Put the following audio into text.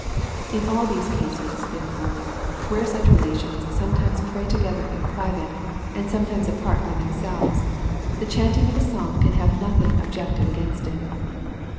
In all these cases, therefore, where such relktions sometimes pray tog'ether in private, and sometimes apart by themselves, the chanting of a psalm can have nothing objected against it.